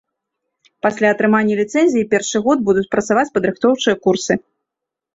Пасля атрымання ліцэнзіі першы год будуць працаваць падрыхтоўчыя курсы.